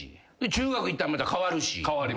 中学行ったらまた変わるし。